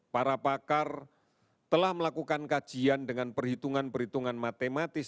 para pakar telah melakukan kajian dengan perhitungan perhitungan matematis